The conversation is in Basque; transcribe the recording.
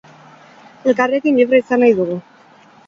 Elkarrekin libre izan nahi dugu.